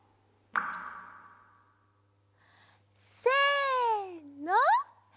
せの。